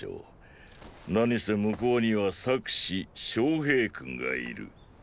何せ向こうには策士昌平君がいる。